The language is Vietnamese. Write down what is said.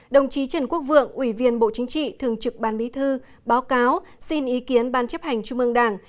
đồng chí trần quốc vượng ủy viên bộ chính trị thường trực ban bí thư báo cáo xin ý kiến ban chấp hành trung ương đảng